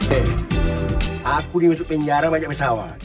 hei aku di masuk penjara bajak pesawat